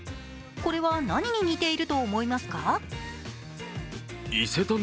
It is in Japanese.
これは、何に似ていると思いますか？